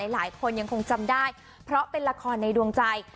หลายคนยังคงจำได้เพราะเป็นละครในดวงใจ